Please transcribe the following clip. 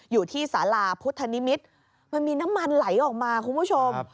อยู่ที่สาราพุทธนิมิตรมันมีน้ำมันไหลออกมาคุณผู้ชม